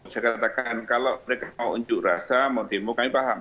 saya katakan kalau mereka mau unjuk rasa mau demo kami paham